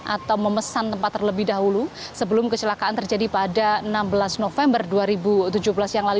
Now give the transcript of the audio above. atau memesan tempat terlebih dahulu sebelum kecelakaan terjadi pada enam belas november dua ribu tujuh belas yang lalu